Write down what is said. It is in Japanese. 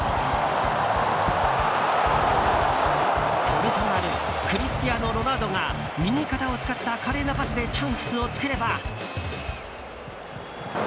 ポルトガルクリスティアーノ・ロナウドが右肩を使った華麗なパスでチャンスを作れば。